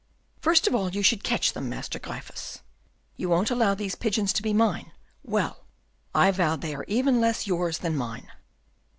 "First of all you should catch them, Master Gryphus. You won't allow these pigeons to be mine! Well, I vow they are even less yours than mine."